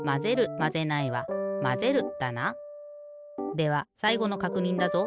ではさいごのかくにんだぞ。